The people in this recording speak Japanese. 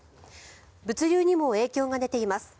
物流にも影響が出ています。